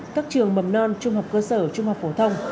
các trường mầm non trung học cơ sở trung học phổ thông